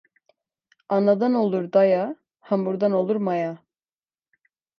Anadan olur daya, hamurdan olur maya.